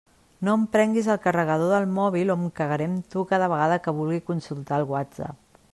No em prenguis el carregador del mòbil o em cagaré en tu cada vegada que vulgui consultar el Whatsapp.